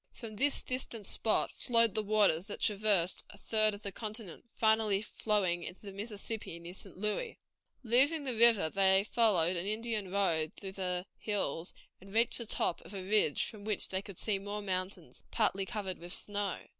From this distant spot flowed the waters that traversed a third of the continent, finally flowing into the Mississippi near St. Louis. Leaving the river, they followed an Indian road through the hills, and reached the top of a ridge from which they could see more mountains, partly covered with snow.